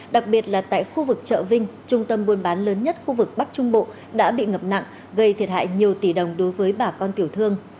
đặc biệt là tại khu vực chợ vinh trung tâm buôn bán lớn nhất khu vực bắc trung bộ đã bị ngập nặng gây thiệt hại nhiều tỷ đồng đối với bà con tiểu thương